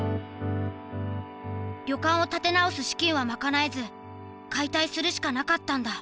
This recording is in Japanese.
旅館を建て直す資金は賄えず解体するしかなかったんだ。